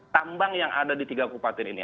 tambang yang ada di tiga kupatin ini